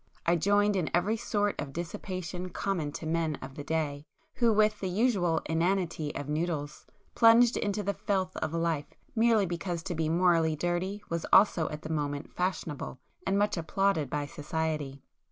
I joined in every sort of dissipation common to men of the day, who with the usual inanity of noodles, plunged into the filth of life merely because to be morally dirty was also at the moment fashionable and much applauded by society.